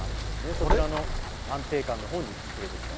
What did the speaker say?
そちらの安定感のほうに振れてきたと。